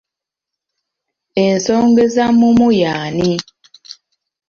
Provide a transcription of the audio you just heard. Ensongozamumu y'ani?